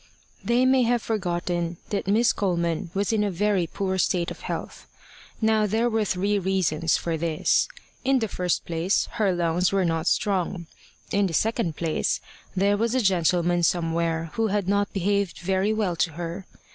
They may have forgotten that Miss Coleman was in a very poor state of health. Now there were three reasons for this. In the first place, her lungs were not strong. In the second place, there was a gentleman somewhere who had not behaved very well to her.